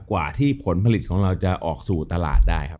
กว่าที่ผลผลิตของเราจะออกสู่ตลาดได้ครับ